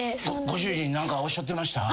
ご主人何かおっしゃってました？